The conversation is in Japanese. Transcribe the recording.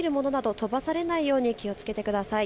飛ばされないよう気をつけてください。